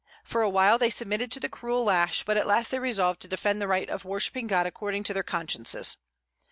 For a while they submitted to the cruel lash, but at last they resolved to defend the right of worshipping God according to their consciences.